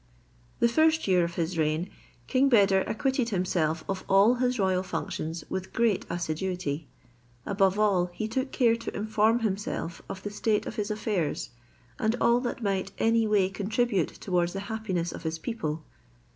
The first year of his reign King Beder acquitted himself of all his royal functions with great assiduity. Above all, he took care to inform himself of the state of his affairs, and all that might any way contribute towards the happiness of his people.